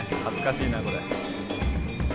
恥ずかしいなこれ。